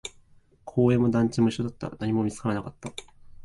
公園も団地と一緒だった、何も見つからなかった